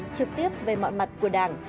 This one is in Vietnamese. trực tiếp về mọi mặt của đảng